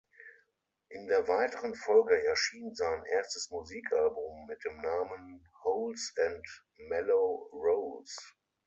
In der weiteren Folge erschien sein erstes Musikalbum mit dem Namen "Holes and Mello-Rolls".